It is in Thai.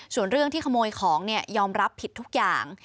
ส่วนเรื่องที่ขโมยของยอมรับผิดทุกอย่าง